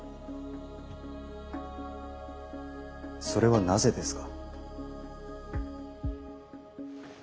それはなぜですか？